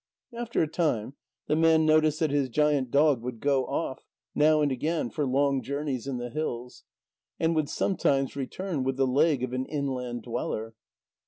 After a time, the man noticed that his giant dog would go off, now and again, for long journeys in the hills, and would sometimes return with the leg of an inland dweller.